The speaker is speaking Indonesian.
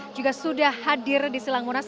juga sudah hadir di silang monas